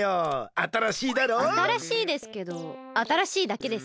あたらしいですけどあたらしいだけですね。